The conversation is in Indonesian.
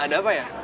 ada apa ya